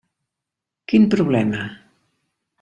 Quin problema?